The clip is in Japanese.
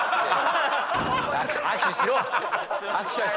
握手しろ！